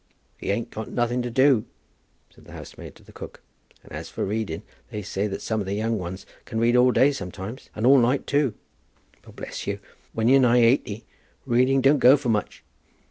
"He ain't got nothing to do," said the housemaid to the cook, "and as for reading, they say that some of the young ones can read all day sometimes, and all night too; but, bless you, when you're nigh eighty, reading don't go for much."